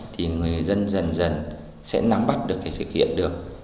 thì người dân dần dần sẽ nắm bắt được cái thực hiện được